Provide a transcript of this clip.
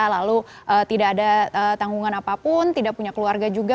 lalu tidak ada tanggungan apapun tidak punya keluarga juga